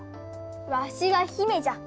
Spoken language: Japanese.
わしは姫じゃ。